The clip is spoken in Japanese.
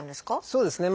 そうですね。